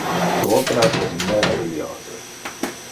Tu obras es meraviliose!